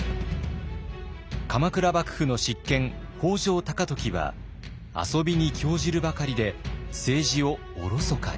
鎌倉幕府の執権北条高時は遊びに興じるばかりで政治をおろそかに。